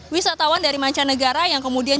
wisatawan dari manca negara yang kemudian